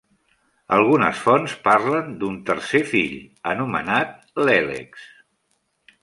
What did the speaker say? Algunes fonts parlen d'un tercer fill, anomenat Lelex.